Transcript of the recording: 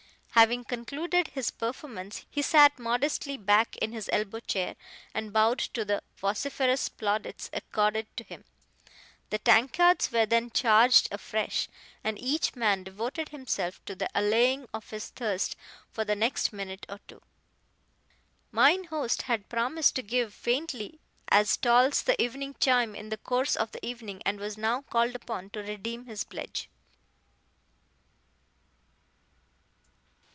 Having concluded his performance, he sat modestly back in his elbow chair, and bowed to the vociferous plaudits accorded to him. The tankards were then charged afresh, and each man devoted himself to the allaying of his thirst for the next minute or two. Mine host had promised to give Faintly as Tolls the Evening Chime in the course of the evening, and was now called upon to redeem his pledge.